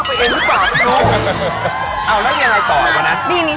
วันรู้สึกกลัวพบพิมพ์